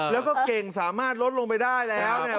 แล้วก็เก่งสามารถลดลงไปได้แล้วเนี่ย